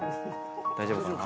大丈夫かな？